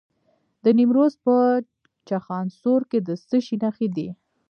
د نیمروز په چخانسور کې د څه شي نښې دي؟